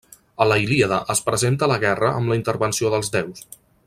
A la Ilíada es presenta la guerra amb la intervenció dels déus.